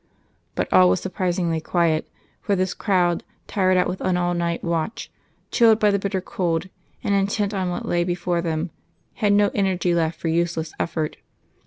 But all was surprisingly quiet, for this crowd, tired out with an all night watch, chilled by the bitter cold, and intent on what lay before them, had no energy left for useless effort.